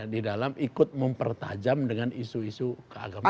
di dalam ikut mempertajam dengan isu isu keagamaan